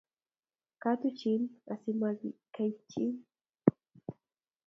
Katuchin asimakaitityin